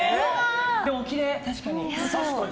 おきれい、確かに。